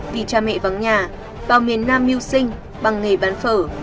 vì cha mẹ vắng nhà vào miền nam mưu sinh bằng nghề bán phở